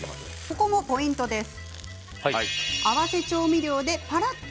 ここもポイントです。